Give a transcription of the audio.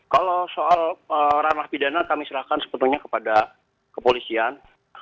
kalau soal ramah pidana kami silakan sebetulnya kepada kepolisian